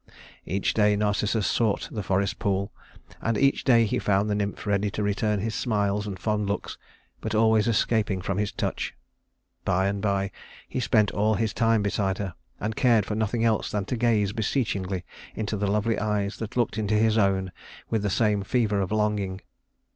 Each day Narcissus sought the forest pool, and each day he found the nymph ready to return his smiles and fond looks, but always escaping from his touch. By and by he spent all his time beside her, and cared for nothing else than to gaze beseechingly into the lovely eyes that looked into his own with the same fever of longing.